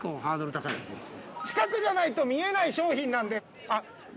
近くじゃないと見えない商品なんで。